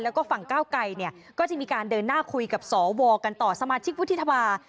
และก็ฝั่งก้าวกรายก็จะมีการเดินหน้าคุยกับสวกันต่อสมาชิกฤทธาบาล